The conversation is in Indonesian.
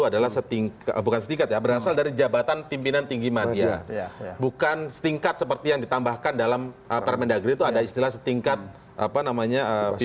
kalau anda melihat bagaimana